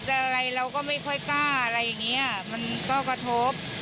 อะไรเราก็ไม่ค่อยกล้าอะไรอย่างนี้มันก็กระทบ